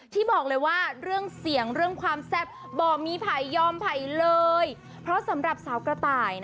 ที่บอกเลยว่าเรื่องเสียงเรื่องความแซ่บบอกมีภัยยอมภัยเลย